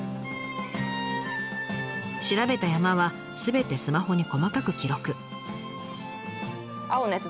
調べた山はすべてスマホに細かく記録。